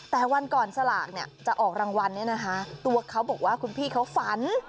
แต่วันก่อนสลากจะออกรางวัลตัวเขาบอกว่าคุณพี่เขาฝัน